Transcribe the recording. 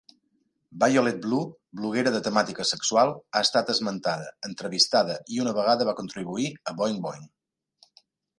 Violet Blue, bloguera de temàtica sexual, ha estat esmentada, entrevistada i una vegada va contribuir a "Boing Boing".